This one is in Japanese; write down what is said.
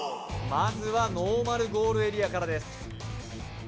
まずはノーマルゴールエリアからです